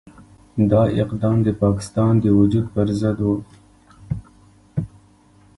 دا اقدام د پاکستان د وجود پرضد وو.